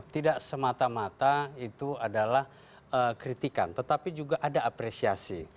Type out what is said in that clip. tidak semata mata itu adalah kritikan tetapi juga ada apresiasi